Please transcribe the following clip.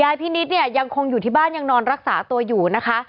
พี่นิดเนี่ยยังคงอยู่ที่บ้านยังนอนรักษาตัวอยู่นะคะ